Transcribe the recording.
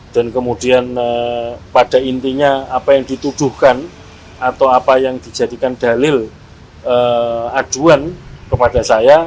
dan kemudian pada intinya apa yang dituduhkan atau apa yang dijadikan dalil aduan kepada saya